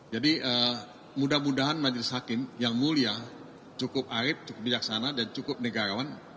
jadi mudah mudahan majelis hakim yang mulia cukup arit cukup bijaksana dan cukup negarawan